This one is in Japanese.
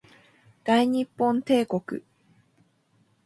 大日本帝国